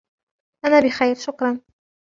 أنا بخير ، شكرا.